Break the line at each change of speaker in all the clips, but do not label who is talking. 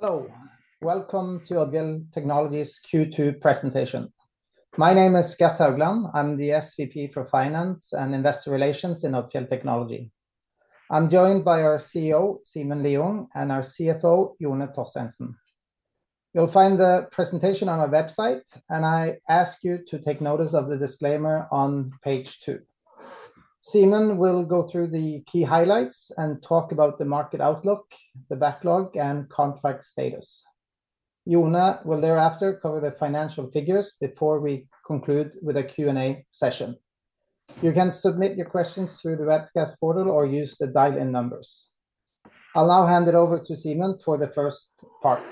Hello. Welcome to Odfjell Technology's Q2 presentation. My name is Gert Haugland. I'm the SVP for Finance and Investor Relations in Odfjell Technology. I'm joined by our CEO, Simen Lieungh, and our CFO, Jone Torstensen. You'll find the presentation on our website, and I ask you to take notice of the disclaimer on page two. Simen will go through the key highlights and talk about the market outlook, the backlog, and contract status. Jone will thereafter cover the financial figures before we conclude with a Q&A session. You can submit your questions through the webcast portal or use the dial-in numbers. I'll now hand it over to Simen for the first part.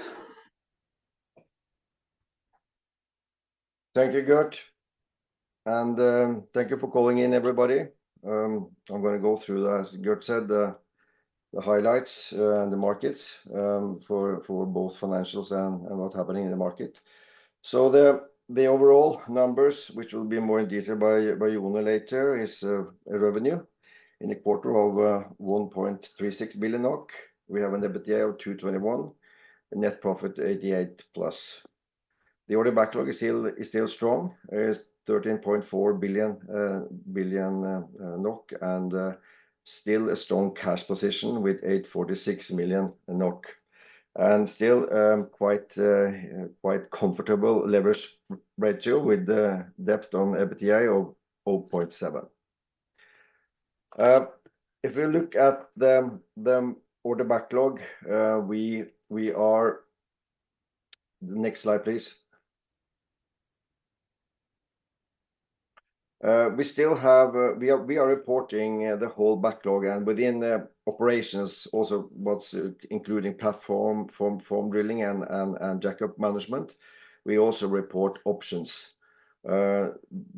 Thank you, Gert, and thank you for calling in, everybody. I'm gonna go through, as Gert said, the highlights and the markets for both financials and what's happening in the market. The overall numbers, which will be more in detail by Jone later, is revenue in the quarter of 1.36 billion NOK. We have an EBITDA of 221 million, net profit 88+ million. The order backlog is still strong, 13.4 billion, and still a strong cash position with 846 million NOK, and still quite comfortable leverage ratio with the debt-to-EBITDA of 0.7x. If you look at the order backlog, we are... Next slide, please. We are reporting the whole backlog and within the Operations also what's including Platform Drilling and Jack-up Management. We also report Operations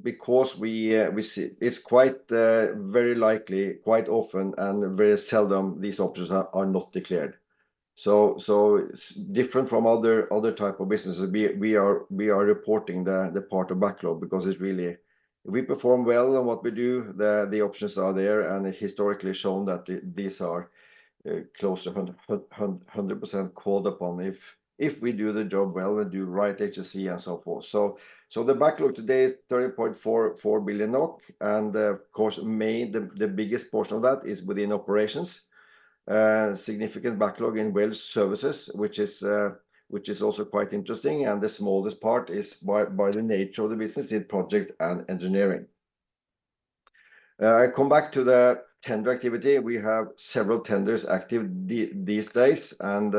because we see it's quite very likely quite often, and very seldom these Operations are not declared, so different from other type of businesses, we are reporting the part of backlog because it's really... We perform well on what we do, the Operations are there, and historically shown that these are close to 100% called upon if we do the job well and do right HSE and so forth, so the backlog today is 13.44 billion NOK, and, of course, mainly the biggest portion of that is within Operations. Significant backlog in Well Services, which is also quite interesting, and the smallest part is by the nature of the business in Projects & Engineering. I come back to the tender activity. We have several tenders active these days, and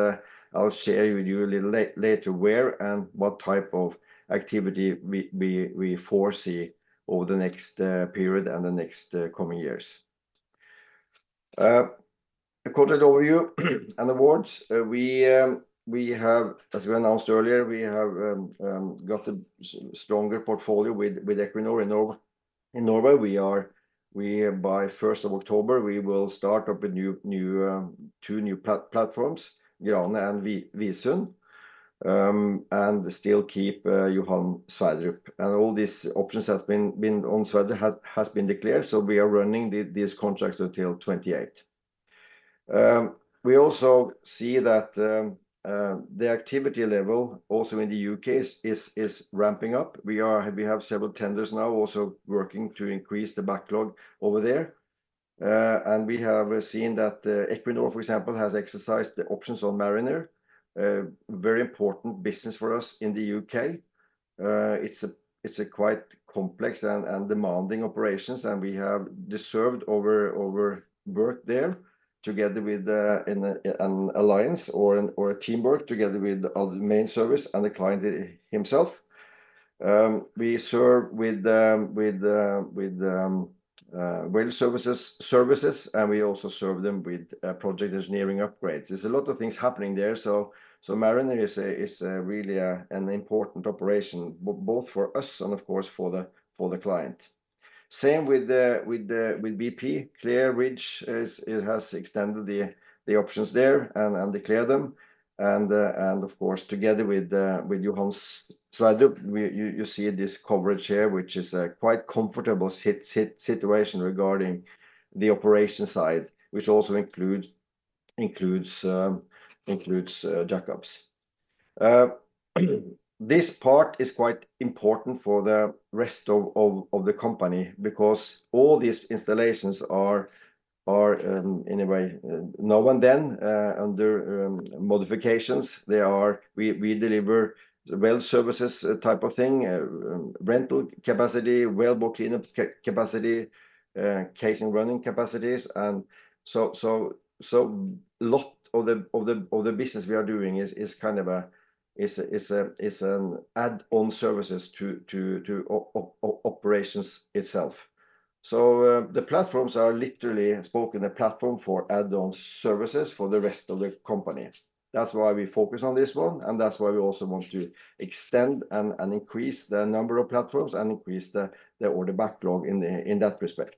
I'll share with you a little later where and what type of activity we foresee over the next period and the next coming years. A quarter overview and awards. We have, as we announced earlier, we have got a stronger portfolio with Equinor in Norway. We by first of October, we will start up two new platforms, Grane and Visund, and still keep Johan Sverdrup. All these options that's been on Sverdrup has been declared, so we are running these contracts until 2028. We also see that the activity level also in the U.K. is ramping up. We have several tenders now also working to increase the backlog over there. We have seen that Equinor, for example, has exercised the options on Mariner, a very important business for us in the U.K. It's a quite complex and demanding operations, and we have deserved over work there together in an alliance or a teamwork together with other main service and the client himself. We serve with the Well Services, and we also serve them with Projects & Engineering upgrades. There's a lot of things happening there, so Mariner is really an important operation, both for us and of course, for the client. Same with BP. Clair Ridge is, it has extended the options there and declare them, and of course, together with Johan Sverdrup, you see this coverage here, which is a quite comfortable situation regarding the operation side, which also includes jack-ups. This part is quite important for the rest of the company because all these installations are in a way, now and then, under modifications. They are... We deliver Well Services type of thing, rental capacity, wellbore cleanup capacity, casing running capacities. So a lot of the business we are doing is kind of an add-on services to operations itself. So the platforms are literally a platform for add-on services for the rest of the company. That's why we focus on this one, and that's why we also want to extend and increase the number of platforms and increase the order backlog in that respect.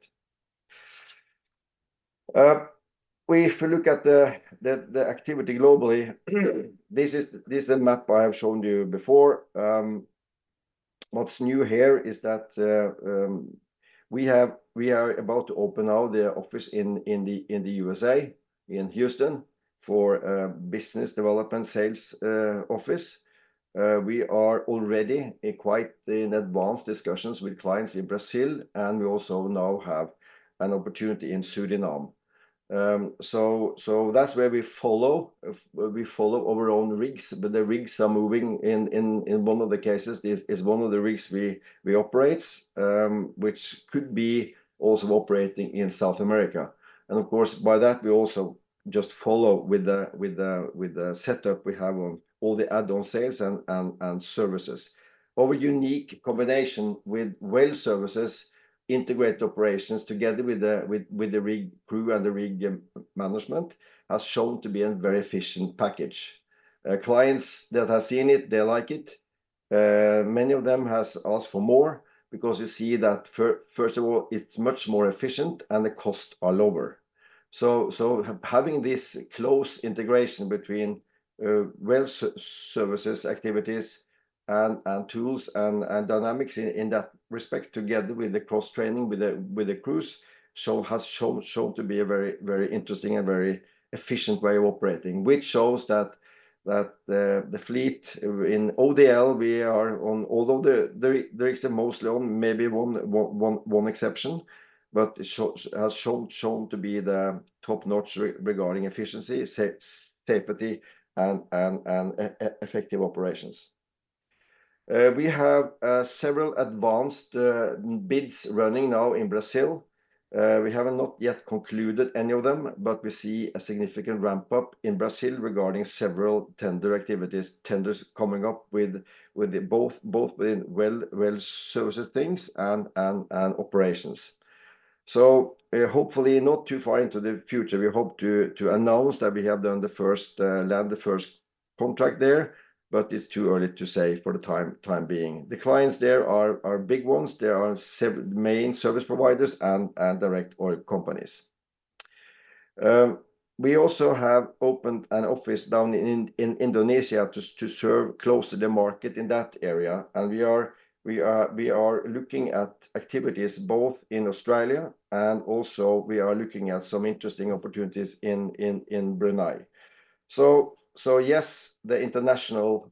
If you look at the activity globally, this is a map I have shown you before. What's new here is that we are about to open now the office in the USA, in Houston, for business development sales office. We are already in quite advanced discussions with clients in Brazil, and we also now have an opportunity in Suriname. So that's where we follow our own rigs, but the rigs are moving. In one of the cases is one of the rigs we operate, which could be also operating in South America. And of course, by that, we also just follow with the setup we have on all the add-on sales and services. Our unique combination with Well Services integrate operations together with the rig crew and the rig management has shown to be a very efficient package. Clients that have seen it, they like it. Many of them has asked for more because you see that first of all, it's much more efficient and the cost are lower. So having this close integration between Well Services, activities and tools and dynamics in that respect, together with the cross-training with the crews, has shown to be a very interesting and very efficient way of operating. Which shows that the fleet in ODL, we are on all of the rigs are mostly on maybe one exception, but it has shown to be the top-notch regarding efficiency, safety, and effective operations. We have several advanced bids running now in Brazil. We have not yet concluded any of them, but we see a significant ramp up in Brazil regarding several tender activities, tenders coming up with both Well Services things and Operations. Hopefully not too far into the future, we hope to announce that we have landed the first contract there, but it is too early to say for the time being. The clients there are big ones. There are several main service providers and direct oil companies. We also have opened an office down in Indonesia to serve close to the market in that area. We are looking at activities both in Australia and also we are looking at some interesting opportunities in Brunei. Yes, the international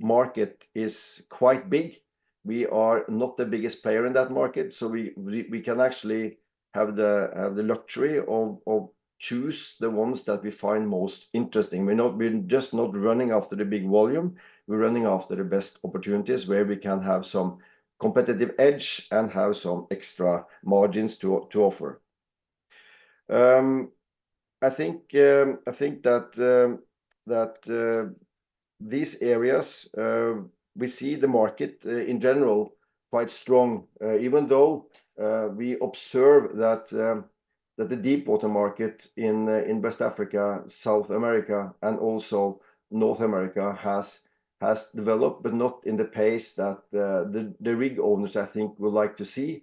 market is quite big. We are not the biggest player in that market, so we can actually have the luxury of choose the ones that we find most interesting. We're just not running after the big volume, we're running after the best opportunities where we can have some competitive edge and have some extra margins to offer. I think that these areas, we see the market in general quite strong, even though we observe that the deepwater market in West Africa, South America, and also North America has developed, but not in the pace that the rig owners, I think, would like to see.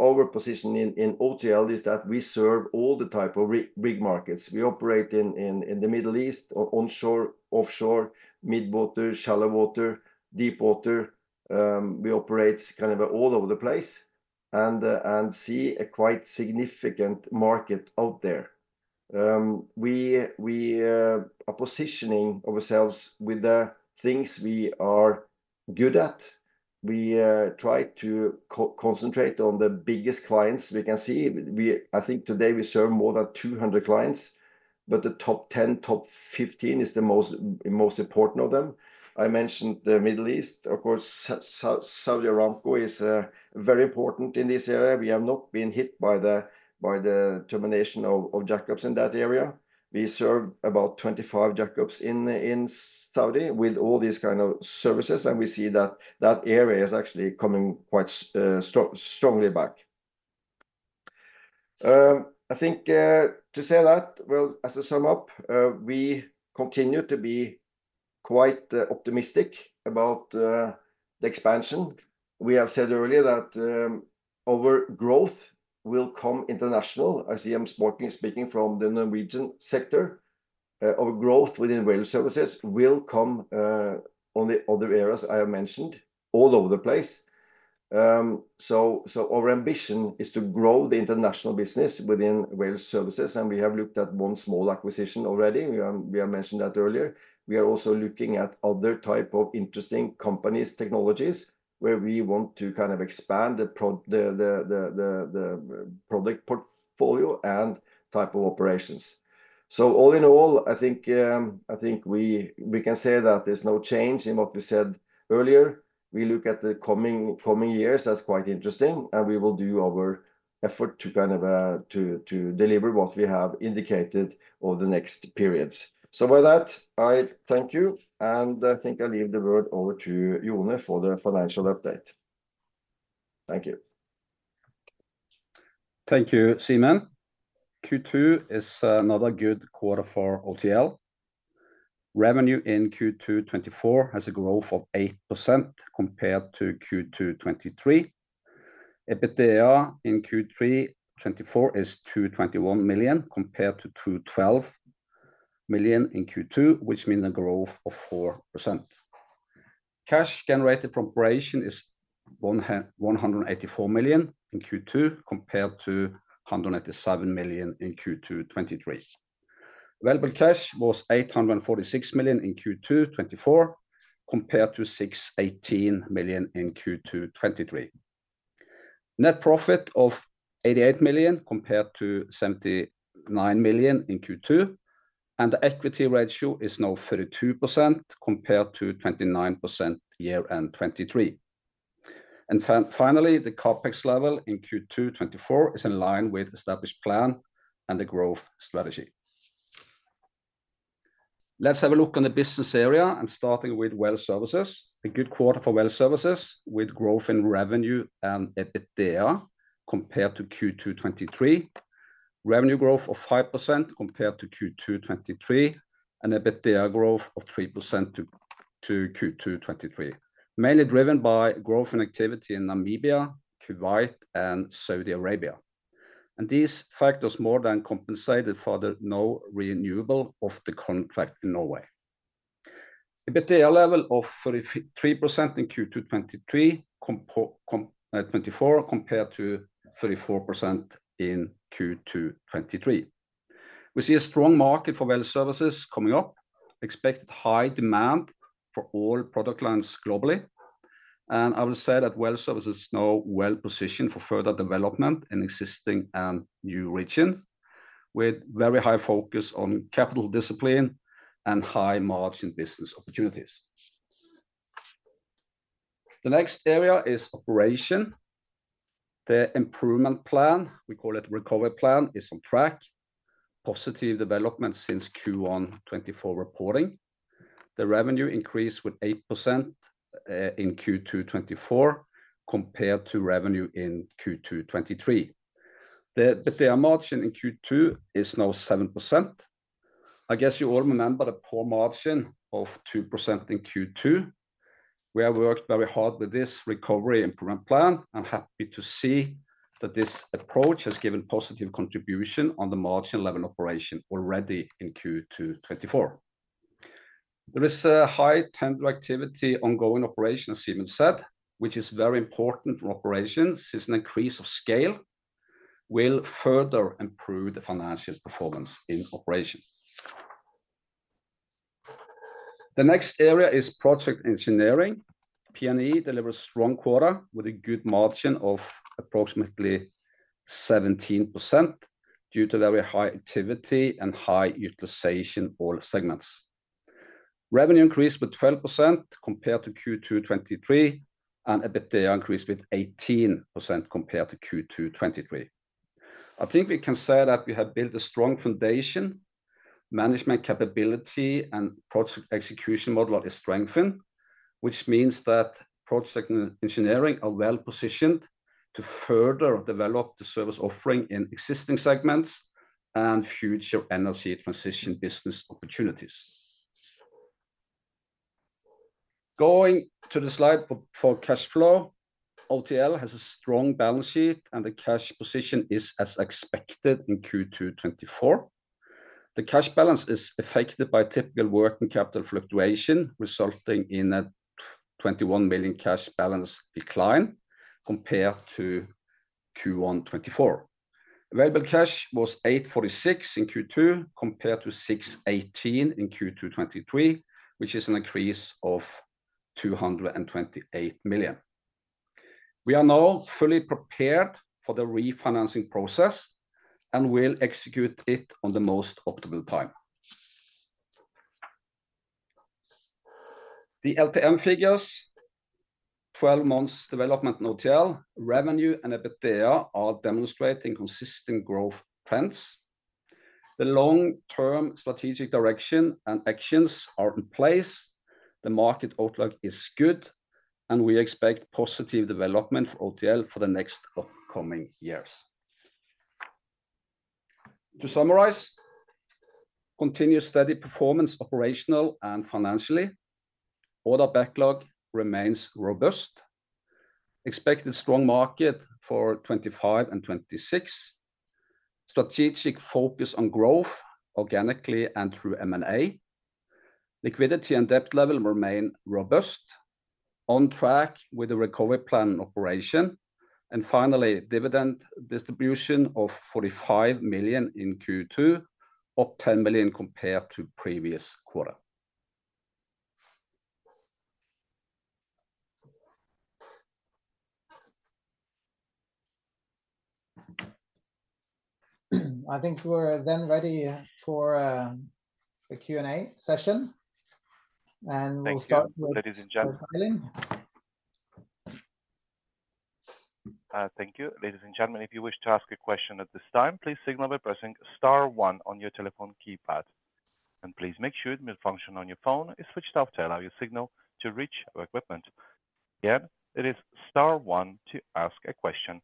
Our position in OTL is that we serve all the type of rig markets. We operate in the Middle East, onshore, offshore, mid-water, shallow water, deep water. We operate kind of all over the place and see a quite significant market out there. We are positioning ourselves with the things we are good at. We try to concentrate on the biggest clients we can see. I think today we serve more than two hundred clients, but the top 10, top 15 is the most important of them. I mentioned the Middle East, of course, Saudi Aramco is very important in this area. We have not been hit by the termination of jack-ups in that area. We serve about 25 jack-ups in Saudi with all these kind of services, and we see that that area is actually coming quite strongly back. I think to say that, well, as a sum up, we continue to be quite optimistic about the expansion. We have said earlier that our growth will come international. I see I'm speaking from the Norwegian sector. Our growth within Well Services will come on the other areas I have mentioned, all over the place. So our ambition is to grow the international business within Well Services, and we have looked at one small acquisition already. We have mentioned that earlier. We are also looking at other type of interesting companies, technologies, where we want to kind of expand the product portfolio and type of operations. So all in all, I think we can say that there's no change in what we said earlier. We look at the coming years, that's quite interesting, and we will do our effort to kind of to deliver what we have indicated over the next periods. So with that, I thank you, and I think I'll leave the word over to Jone for the financial update. Thank you.
Thank you, Simen. Q2 is another good quarter for OTL. Revenue in Q2 2024 has a growth of 8% compared to Q2 2023. EBITDA in Q3 2024 is 221 million, compared to 212 million in Q2, which mean a growth of 4%. Cash generated from operation is 184 million in Q2, compared to 187 million in Q2 2023. Available cash was 846 million in Q2 2024, compared to 618 million in Q2 2023. Net profit of 88 million, compared to 79 million in Q2, and the equity ratio is now 32%, compared to 29% year-end 2023. Finally, the CapEx level in Q2 2024 is in line with established plan and the growth strategy. Let's have a look on the business area, and starting with Well Services. A good quarter for Well Services, with growth in revenue and EBITDA compared to Q2 2023. Revenue growth of 5% compared to Q2 2023, and EBITDA growth of 3% to Q2 2023, mainly driven by growth and activity in Namibia, Kuwait, and Saudi Arabia, and these factors more than compensated for the non-renewal of the contract in Norway. EBITDA level of 33% in Q2 2024, compared to 34% in Q2 2023. We see a strong market for Well Services coming up, expected high demand for all product lines globally, and I will say that Well Services is now well-positioned for further development in existing and new regions, with very high focus on capital discipline and high-margin business opportunities. The next area is Operations. The improvement plan, we call it recovery plan, is on track. Positive development since Q1 2024 reporting. The revenue increased with 8% in Q2 2024, compared to revenue in Q2 2023. The EBITDA margin in Q2 is now 7%. I guess you all remember the poor margin of 2% in Q2. We have worked very hard with this recovery improvement plan. I'm happy to see that this approach has given positive contribution on the margin level operation already in Q2 2024. There is a high tender activity ongoing operation, as Simen said, which is very important for Operations, since an increase of scale will further improve the financial performance in Operations. The next area is Projects & Engineering. P&E delivered strong quarter, with a good margin of approximately 17% due to very high activity and high utilization all segments. Revenue increased with 12% compared to Q2 2023, and EBITDA increased with 18% compared to Q2 2023. I think we can say that we have built a strong foundation, management capability, and project execution model is strengthened, which means that Projects & Engineering are well-positioned to further develop the service offering in existing segments and future energy transition business opportunities. Going to the slide for cash flow, OTL has a strong balance sheet, and the cash position is as expected in Q2 2024. The cash balance is affected by typical working capital fluctuation, resulting in a 21 million cash balance decline compared to Q1 2024. Available cash was 846 million in Q2, compared to 618 million in Q2 2023, which is an increase of 228 million. We are now fully prepared for the refinancing process and will execute it on the most optimal time. The LTM figures, 12 months development in OTL, revenue and EBITDA are demonstrating consistent growth trends. The long-term strategic direction and actions are in place, the market outlook is good, and we expect positive development for OTL for the next upcoming years. To summarize, continuous steady performance, operationally and financially. Order backlog remains robust. Expected strong market for 2025 and 2026. Strategic focus on growth, organically and through M&A. Liquidity and debt level remain robust. On track with the recovery plan operation, and finally, dividend distribution of 45 million in Q2, up 10 million compared to previous quarter.
I think we're then ready for the Q&A session, and we'll start with-
Thank you, ladies and gentlemen.
Eileen?
Thank you. Ladies and gentlemen, if you wish to ask a question at this time, please signal by pressing star one on your telephone keypad. And please make sure the mute function on your phone is switched off to allow your signal to reach our equipment. Again, it is star one to ask a question.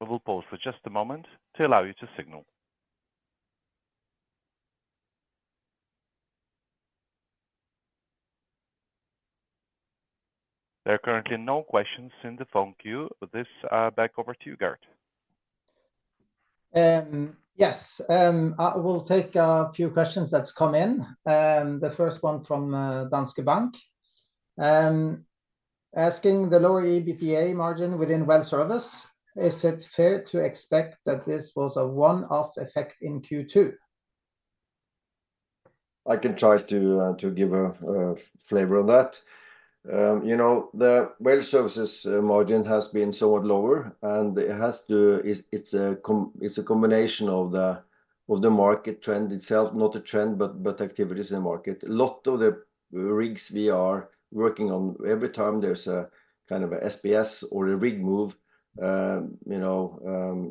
We will pause for just a moment to allow you to signal. There are currently no questions in the phone queue. With this, back over to you, Gert.
Yes, I will take a few questions that's come in, the first one from Danske Bank. Asking the lower EBITDA margin within Well Services, is it fair to expect that this was a one-off effect in Q2?
I can try to give a flavor of that. You know, the Well Services margin has been somewhat lower, and it's a combination of the market trend itself, not a trend, but activities in the market. A lot of the rigs we are working on, every time there's a kind of a SPS or a rig move, you know,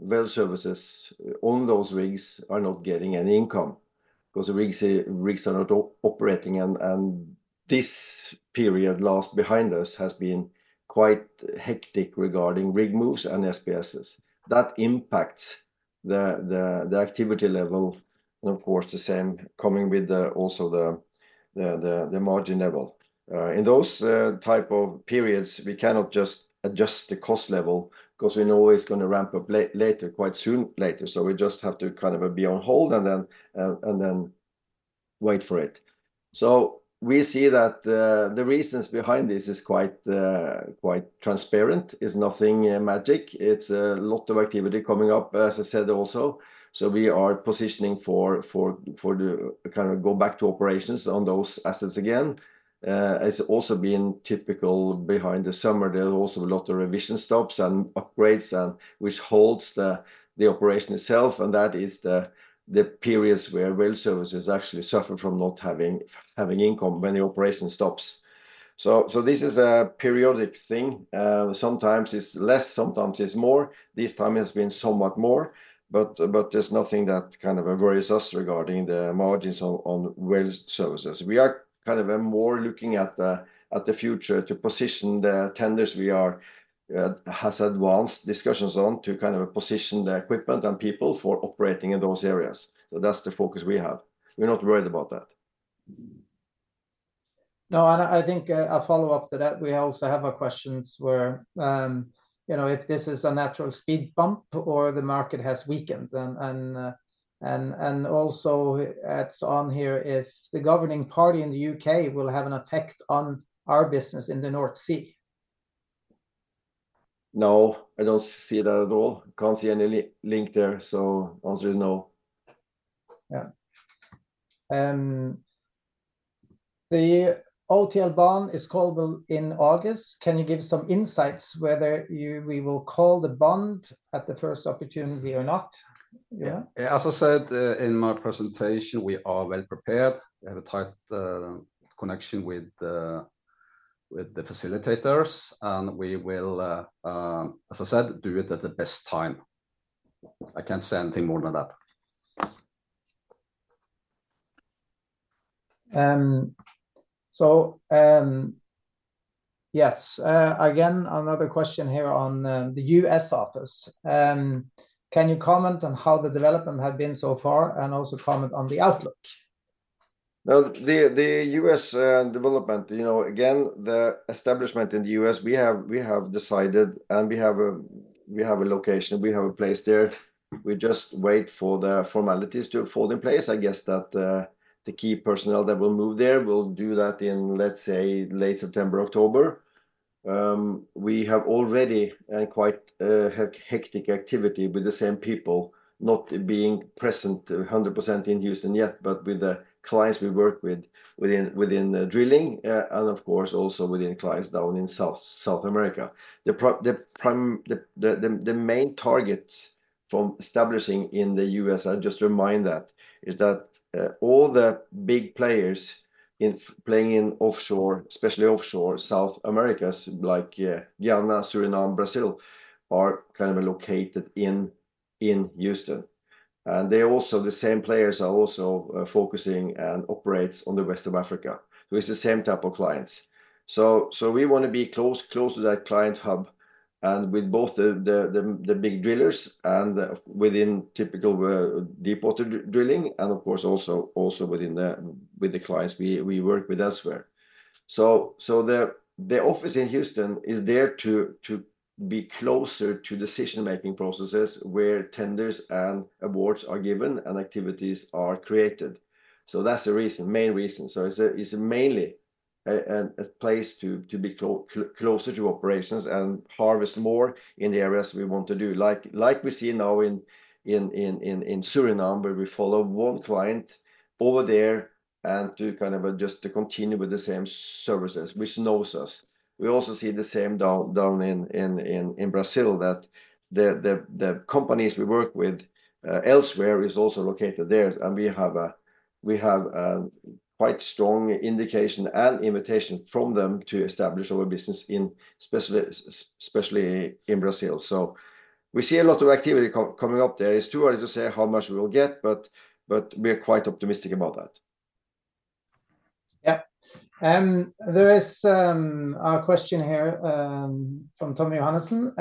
Well Services on those rigs are not getting any income 'cause the rigs are not operating, and this period last behind us has been quite hectic regarding rig moves and SPSs. That impacts the activity level, and of course, the same coming with also the margin level. In those type of periods, we cannot just adjust the cost level 'cause we know it's gonna ramp up later, quite soon later. We just have to kind of be on hold and then wait for it. We see that the reasons behind this is quite transparent. It's nothing magic. It's a lot of activity coming up, as I said also. We are positioning for the kind of go back to operations on those assets again. It's also been typical after the summer, there are also a lot of revision stops and upgrades which holds the operation itself, and that is the periods where Well Services actually suffer from not having income when the operation stops. This is a periodic thing. Sometimes it's less, sometimes it's more. This time it's been somewhat more, but there's nothing that kind of worries us regarding the margins on Well Services. We are kind of more looking at the future to position the tenders we are has advanced discussions on to kind of position the equipment and people for operating in those areas. So that's the focus we have. We're not worried about that.
No, and I think a follow-up to that, we also have a question where, you know, if this is a natural speed bump or the market has weakened? And also adds on here, if the governing party in the U.K. will have an effect on our business in the North Sea?
No, I don't see that at all. Can't see any link there, so answer is no.
Yeah. The OTL bond is callable in August. Can you give some insights whether you- we will call the bond at the first opportunity or not?
Yeah. Yeah, as I said, in my presentation, we are well prepared. We have a tight connection with the facilitators, and we will, as I said, do it at the best time. I can't say anything more than that.
Another question here on the U.S. office. Can you comment on how the development have been so far, and also comment on the outlook?
The U.S. development, you know, again, the establishment in the U.S., we have decided and we have a location, we have a place there. We just wait for the formalities to fall in place. I guess that the key personnel that will move there will do that in, let's say, late September, October. We have already quite hectic activity with the same people not being present 100% in Houston yet, but with the clients we work with within drilling, and of course, also within clients down in South America. The prime, the main target from establishing in the U.S., I just remind that, is that all the big players playing in offshore, especially offshore South America, like Guyana, Suriname, Brazil, are kind of located in Houston. And they are also the same players are also focusing and operates on the West Africa, so it's the same type of clients. So we want to be close to that client hub and with both the big drillers and within typical deepwater drilling and of course also within with the clients we work with elsewhere. So the office in Houston is there to be closer to decision-making processes where tenders and awards are given and activities are created. So that's the reason, main reason. So it's mainly a place to be closer to operations and harvest more in the areas we want to do. Like we see now in Suriname, where we follow one client over there and to kind of just to continue with the same services, which knows us. We also see the same down in Brazil, that the companies we work with elsewhere is also located there, and we have a quite strong indication and invitation from them to establish our business in especially in Brazil. So we see a lot of activity coming up there. It's too early to say how much we will get, but we are quite optimistic about that.
Yeah. There is a question here from Tommy Johannessen.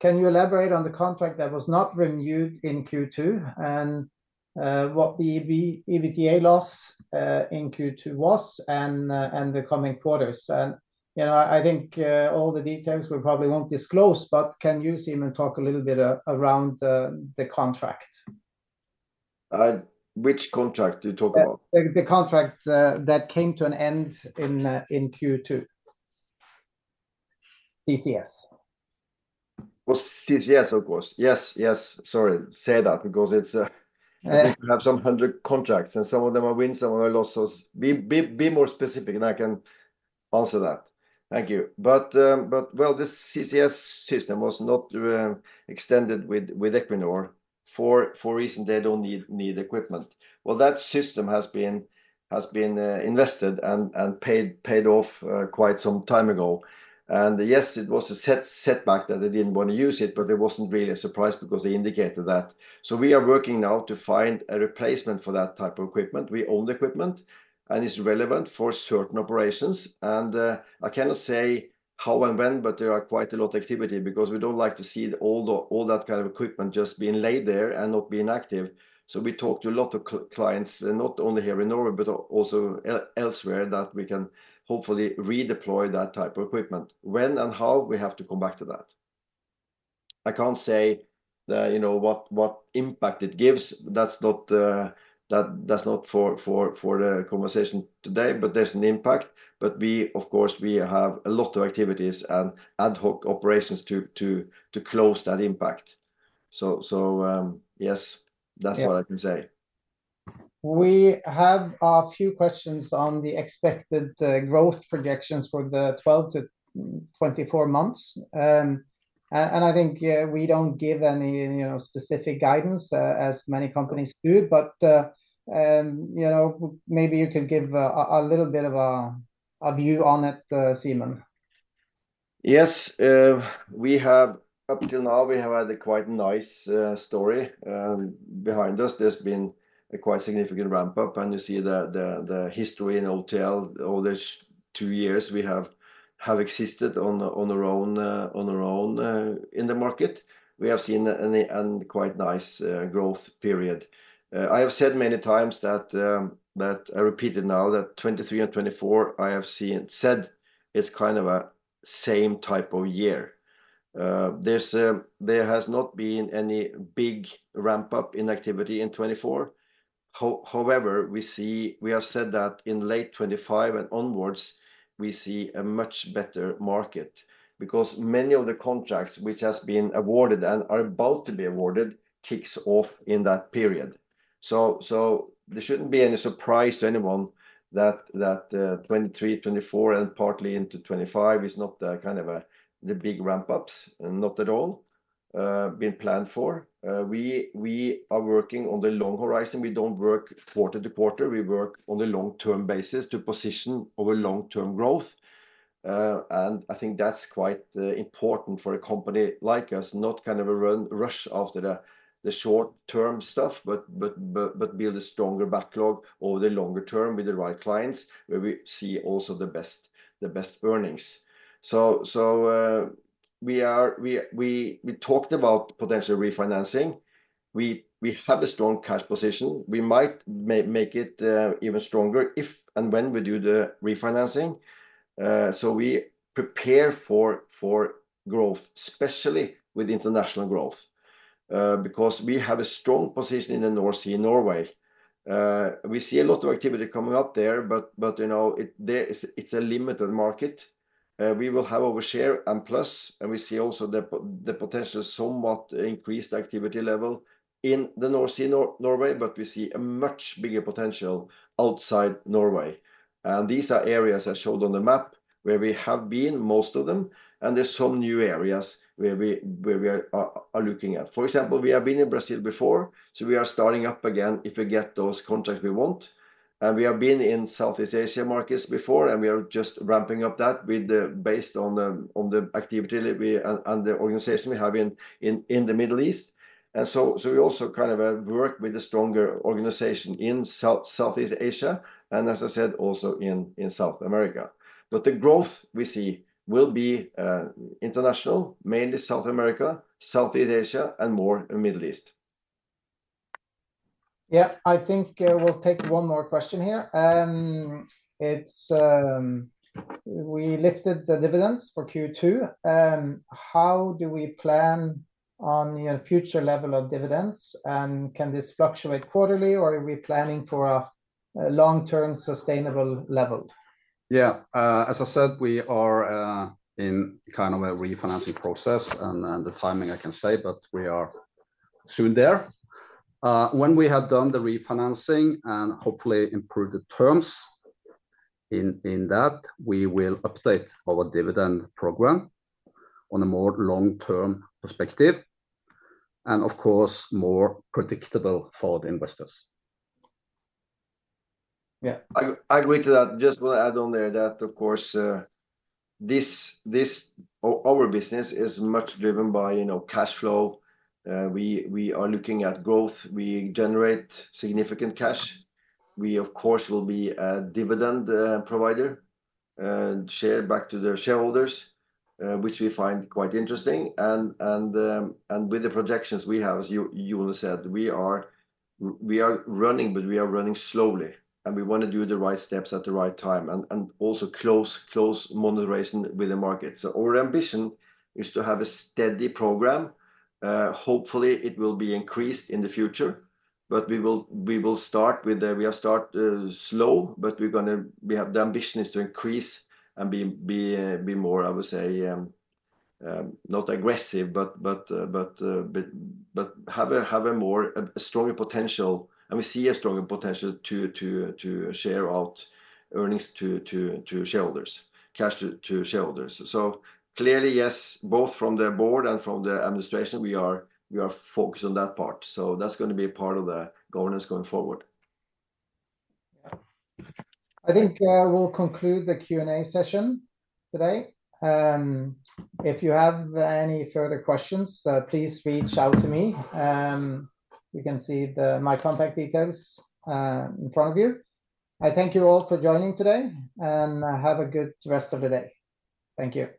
Can you elaborate on the contract that was not renewed in Q2, and what the EBITDA loss in Q2 was, and the coming quarters? And, you know, I think all the details we probably won't disclose, but can you, Simon, talk a little bit around the contract?
Which contract are you talking about?
The contract that came to an end in Q2. CCS.
CCS, of course. Yes, yes, sorry, say that because it's—
Yeah?
—we have some hundred contracts, and some of them are wins, some of them are losses. Be more specific, and I can answer that. Thank you. But, well, this CCS system was not extended with Equinor for reason they don't need equipment. Well, that system has been invested and paid off quite some time ago. And yes, it was a setback that they didn't want to use it, but it wasn't really a surprise because they indicated that. So we are working now to find a replacement for that type of equipment. We own the equipment, and it's relevant for certain operations. And I cannot say how and when, but there are quite a lot activity, because we don't like to see all that kind of equipment just being laid there and not being active. So we talk to a lot of clients, and not only here in Norway, but also elsewhere, that we can hopefully redeploy that type of equipment. When and how, we have to come back to that. I can't say, you know, what impact it gives. That's not that's not for the conversation today, but there's an impact. But we, of course, we have a lot of activities and ad hoc operations to close that impact. So yes.
Yeah.
That's what I can say.
We have a few questions on the expected growth projections for the 12 to 24 months, and I think we don't give any, you know, specific guidance as many companies do, but you know, maybe you could give a little bit of a view on it, Simen.
Yes. We have, up until now, we have had a quite nice story behind us. There's been a quite significant ramp-up, and you see the history in OTL. All these two years, we have existed on our own in the market. We have seen a quite nice growth period. I have said many times that I repeat it now, that 2023 and 2024 is kind of a same type of year. There has not been any big ramp-up in activity in 2024. However, we have said that in late 2025 and onwards, we see a much better market. Because many of the contracts which has been awarded and are about to be awarded, kicks off in that period. There shouldn't be any surprise to anyone that 2023, 2024, and partly into 2025 is not the kind of big ramp-ups, not at all, been planned for. We are working on the long horizon. We don't work quarter to quarter, we work on the long-term basis to position our long-term growth. And I think that's quite important for a company like us, not kind of a rush after the short-term stuff, but build a stronger backlog over the longer term with the right clients, where we see also the best earnings. So we talked about potential refinancing. We have a strong cash position. We might make it even stronger if and when we do the refinancing. So we prepare for growth, especially with international growth. Because we have a strong position in the North Sea in Norway. We see a lot of activity coming up there, but you know, it's a limited market. We will have our share and plus, and we see also the potential somewhat increased activity level in the North Sea Norway, but we see a much bigger potential outside Norway, and these are areas I showed on the map, where we have been, most of them, and there's some new areas where we are looking at. For example, we have been in Brazil before, so we are starting up again if we get those contracts we want. We have been in Southeast Asia markets before, and we are just ramping up that based on the activity that we have. And the organization we have in the Middle East. So we also kind of work with a stronger organization in Southeast Asia, and as I said, also in South America. But the growth we see will be international, mainly South America, Southeast Asia, and more in Middle East.
Yeah, I think we'll take one more question here. It's we lifted the dividends for Q2. How do we plan on, you know, future level of dividends, and can this fluctuate quarterly, or are we planning for a long-term sustainable level?
Yeah. As I said, we are in kind of a refinancing process, and the timing I can say, but we are soon there. When we have done the refinancing and hopefully improved the terms, in that, we will update our dividend program on a more long-term perspective, and of course, more predictable for the investors.
Yeah.
I agree to that. Just want to add on there that, of course, our business is much driven by, you know, cash flow. We are looking at growth. We generate significant cash. We, of course, will be a dividend provider, share back to the shareholders, which we find quite interesting. And with the projections we have, as you said, we are running, but we are running slowly, and we want to do the right steps at the right time, and also close monitoring with the market. So our ambition is to have a steady program. Hopefully, it will be increased in the future, but we will start with the— We are starting slow, but we have the ambitions to increase and be more, I would say, not aggressive, but have a stronger potential, and we see a stronger potential to share out earnings to shareholders, cash to shareholders, so clearly, yes, both from the board and from the administration, we are focused on that part, so that's going to be a part of the governance going forward.
Yeah. I think we'll conclude the Q&A session today. If you have any further questions, please reach out to me. You can see the my contact details in front of you. I thank you all for joining today, and have a good rest of the day. Thank you.